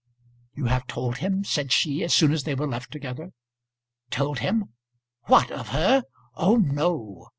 "You have told him," said she, as soon as they were left together. "Told him; what, of her? Oh no.